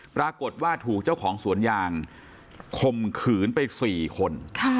ปรากฏว่าถูกเจ้าของสวนยางคมขืนไป๔คน